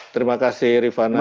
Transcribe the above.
terima kasih rifana